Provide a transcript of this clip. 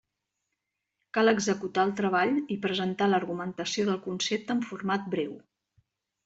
Cal executar el treball i presentar l'argumentació del concepte en format breu.